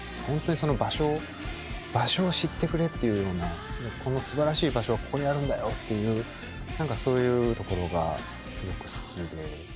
本当にその場所を場所を知ってくれっていうようなこのすばらしい場所はここにあるんだよっていう何かそういうところがすごく好きで。